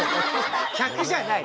客じゃない。